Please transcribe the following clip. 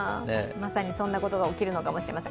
まさにそんなことが起きるのかもしれません。